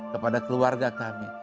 kepada keluarga kami